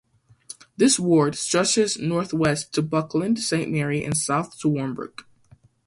This ward stretches north west to Buckland Saint Mary and south to Wambrook.